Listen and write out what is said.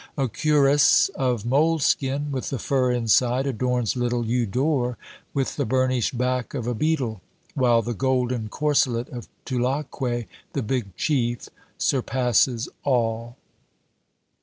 A cuirass of moleskin, with the fur inside, adorns little Eudore with the burnished back of a beetle; while the golden corselet of Tulacque the Big Chief surpasses all.